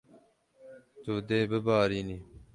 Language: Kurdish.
Tu dê bibarînî.